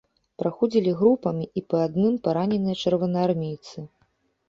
Праходзілі групамі і па адным параненыя чырвонаармейцы.